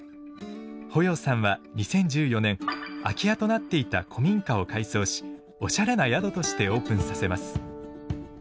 保要さんは２０１４年空き家となっていた古民家を改装しおしゃれな宿としてオープンさせます。